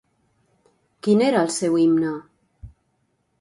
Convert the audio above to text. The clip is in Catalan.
Quin era el seu himne?